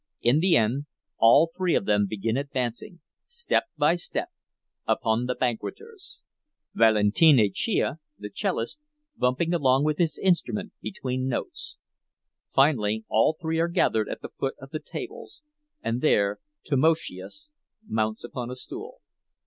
In the end all three of them begin advancing, step by step, upon the banqueters, Valentinavyczia, the cellist, bumping along with his instrument between notes. Finally all three are gathered at the foot of the tables, and there Tamoszius mounts upon a stool.